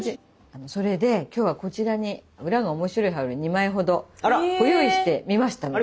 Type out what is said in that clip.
それで今日はこちらに裏が面白い羽織２枚ほどご用意してみましたので。